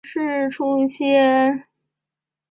一个记者可能会在所有的越南电视台出现。